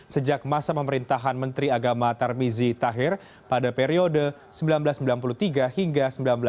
sejak masa pemerintahan menteri agama tarmizi tahir pada periode seribu sembilan ratus sembilan puluh tiga hingga seribu sembilan ratus sembilan puluh